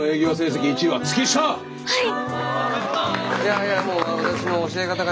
はい！